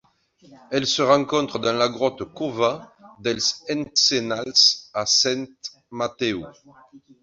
Elle se rencontre dans la grotte Cova dels Encenalls à Sant Mateu.